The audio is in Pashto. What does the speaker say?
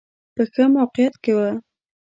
په ښه موقعیت کې و.